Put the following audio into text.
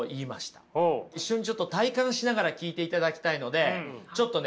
一緒にちょっと体感しながら聞いていただきたいのでちょっとね